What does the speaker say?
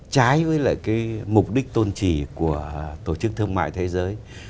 trái với lại cái mục đích tôn trì của tổ chức thương mại thế giới